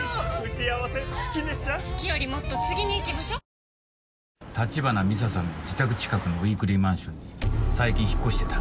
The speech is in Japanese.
「ミノンアミノモイスト」橘美沙さんの自宅近くのウイークリーマンションに最近引っ越してた。